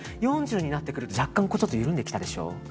４０になってくると若干緩んできたでしょ。